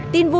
tin vui nhé